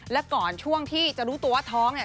และก่อนช่วงที่จะรู้ตัวว่าท้องเนี่ย